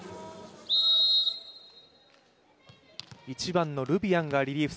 １番のルビアンがリリーフ